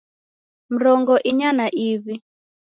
Mrongo inya na iw'i